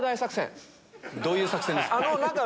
どういう作戦ですか？